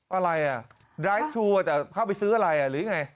อะไรดรายทูลเข้าไปซื้ออะไรหรืออย่างไร